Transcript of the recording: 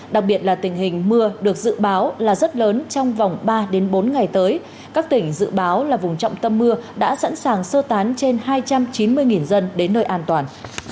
đặc biệt là tình hình mưa được dự báo là rất lớn trong vòng ba bốn ngày tới các tỉnh dự báo là vùng trọng tâm mưa đã sẵn sàng sơ tán trên hai trăm chín mươi dân đến nơi an toàn